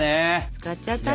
使っちゃったね。